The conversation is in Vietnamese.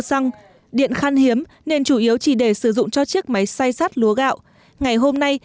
xăng điện khăn hiếm nên chủ yếu chỉ để sử dụng cho chiếc máy xay sát lúa gạo ngày hôm nay